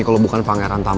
kalo bukan pangeran tamu